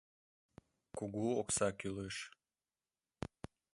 Кугу окса кӱлеш.